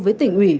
với tỉnh ủy